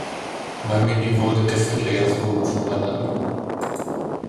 Mae'n mynd i fod yn gystadleuaeth frwd rhwng y ddau